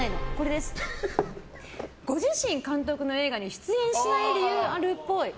ご自身監督の映画に出演しない理由あるっぽい。